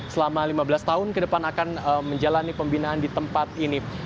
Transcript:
selama lima belas tahun ke depan akan menjalani pembinaan di tempat ini